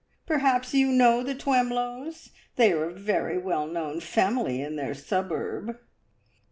Perhaps you know the Twemlows? They are a very well known family in their suburb."